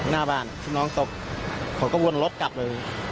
หน้าบ้านชื่นน้องตกผมก็วนรถกลับเลยครับคิด